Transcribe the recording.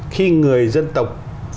khi người dân tộc